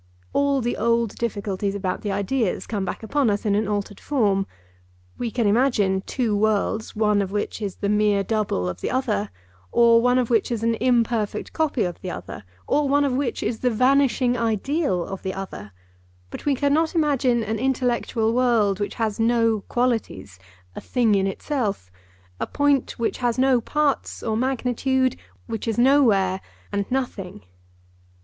All the old difficulties about the ideas come back upon us in an altered form. We can imagine two worlds, one of which is the mere double of the other, or one of which is an imperfect copy of the other, or one of which is the vanishing ideal of the other; but we cannot imagine an intellectual world which has no qualities—'a thing in itself'—a point which has no parts or magnitude, which is nowhere, and nothing.